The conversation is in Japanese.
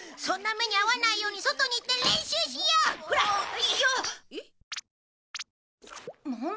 そんな目に遭わないように外に行って練習しよう！